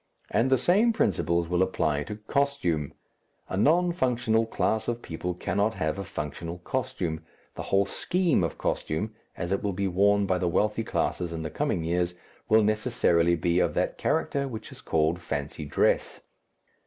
And the same principles will apply to costume. A non functional class of people cannot have a functional costume, the whole scheme of costume, as it will be worn by the wealthy classes in the coming years, will necessarily be of that character which is called fancy dress.